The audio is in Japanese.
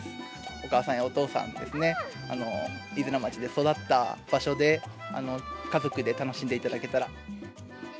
お母さんやお父さんですね、飯綱町で育った場所で、家族で楽しんでいただけたら。